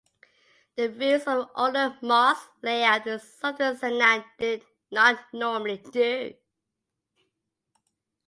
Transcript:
The reuse of an older mosque layout is something Sinan did not normally do.